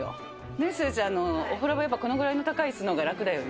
ねっ、すずちゃん、お風呂場、やっぱこのぐらいの高いいすのほうが楽だよね。